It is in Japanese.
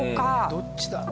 どっちだ？